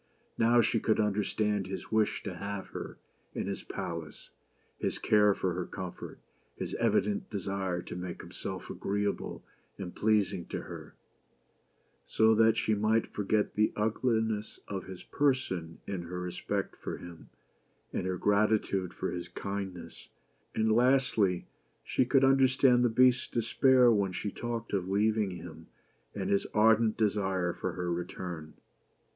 Now she could understand his wish to have her in his palace ; his care for her comfort ; his evi dent desire to make himself agreeable and pleasing to her, so BEAUTY AND THE BEAST. THE EVIL SPELL BROKEN. that she might forget the ugliness of his person in her respect for him and her gratitude for his kindness; and lastly, she could understand the Beast's despair when she talked ol leaving him, and his ardent desire for her return.